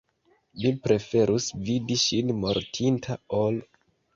Mi preferus vidi ŝin mortinta ol.